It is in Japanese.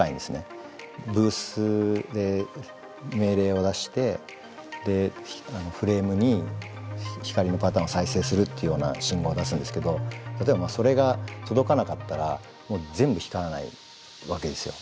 ブースで命令を出してフレームに光のパターンを再生するっていうような信号を出すんですけど例えばそれが届かなかったら全部光らないわけですよ。